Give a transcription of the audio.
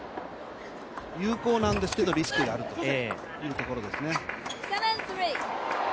有効なんですけどリスクがあるというところですね。